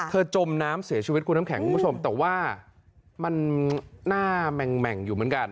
จมน้ำเสียชีวิตคุณน้ำแข็งคุณผู้ชมแต่ว่ามันหน้าแหม่งอยู่เหมือนกัน